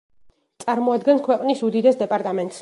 წარმოადგენს ქვეყნის უდიდეს დეპარტამენტს.